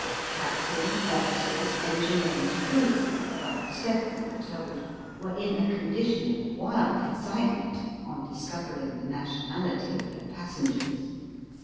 Captain, officers, engineer, and crew, about seven all told, were in a condition of wild excitement on discover ing the nationality of their passengers.